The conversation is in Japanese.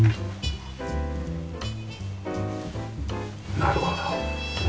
なるほど。